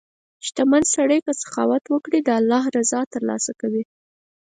• شتمن سړی که سخاوت وکړي، د الله رضا ترلاسه کوي.